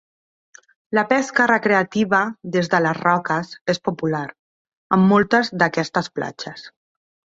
La pesca recreativa des de les roques és popular, en moltes d'aquestes platges.